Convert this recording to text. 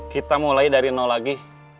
kita mulai dari nol lagi